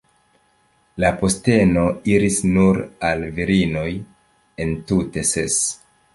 La posteno iris nur al virinoj, entute ses.